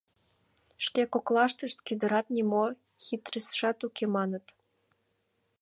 Шке коклаштышт кӱдырат: «Нимо хитрысшат уке», — маныт.